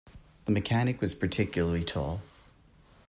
The mechanic was particularly tall.